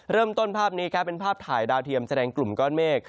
เริ่มต้นภาพนี้ครับเป็นภาพถ่ายดาวเทียมแสดงกลุ่มก้อนเมฆ